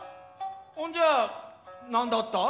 ほんじゃあなんだった？